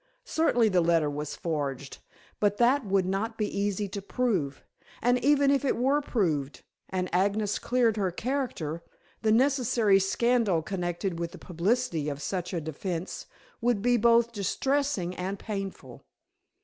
Certainly the letter was forged, but that would not be easy to prove. And even if it were proved and Agnes cleared her character, the necessary scandal connected with the publicity of such a defence would be both distressing and painful.